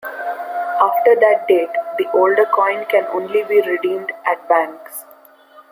After that date, the older coin can only be redeemed at banks.